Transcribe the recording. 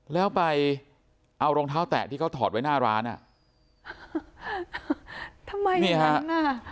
แล้วไปเอารองเท้าแตะที่เขาถอดไว้หน้าร้านอ่ะทำไมนี่ฮะ